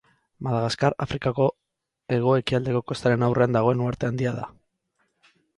Madagaskar Afrikako hego-ekialdeko kostaren aurrean dagoen uharte handia da.